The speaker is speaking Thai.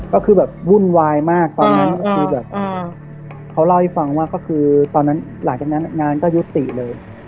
ก็คือแบบวุ่นวายมากตอนนั้นก็คือแบบเขาเล่าให้ฟังว่าก็คือตอนนั้นหลังจากนั้นงานก็ยุติเลย